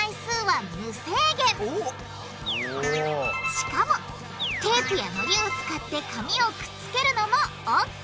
しかもテープやのりを使って紙をくっつけるのもＯＫ！